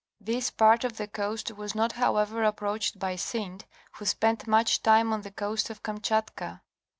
This part of the coast was not however approached by Synd, who spent much time on the coast of Kamchatka.